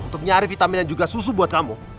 untuk nyari vitamin dan juga susu buat kamu